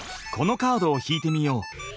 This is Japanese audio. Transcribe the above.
このカードを引いてみよう！